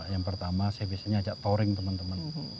yang pertama saya biasanya ajak touring teman teman